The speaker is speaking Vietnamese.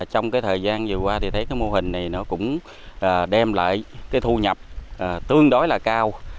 trong thời gian vừa qua thì thấy mô hình này cũng đem lại thu nhập tương đối là cao